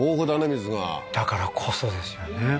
水がだからこそですよね